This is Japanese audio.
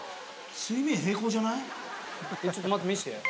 ちょっと待って見せて。